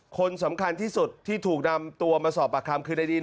คนสำคัญที่สุดที่ถูกนำตัวมาสอบปากคำคือในดิน